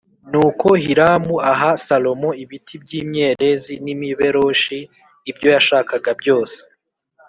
Nuko Hiramu aha Salomo ibiti by’imyerezi n’imiberoshi, ibyo yashakaga byose